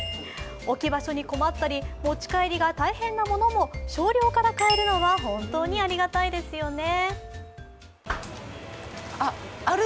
置き場所に困ったり、持ち帰りが大変なものも、少量から買えるのは本当にありがたいですよね。